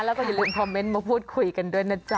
แล้วก็อย่าลืมคอมเมนต์มาพูดคุยกันด้วยนะจ๊